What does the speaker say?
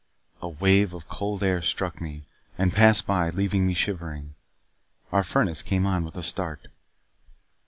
A wave of cold air struck me, and passed by, leaving me shivering. Our furnace came on with a start.